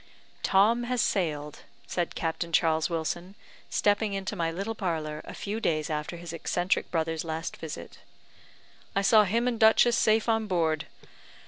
"Tom has sailed," said Captain Charles Wilson, stepping into my little parlour a few days after his eccentric brother's last visit. "I saw him and Duchess safe on board.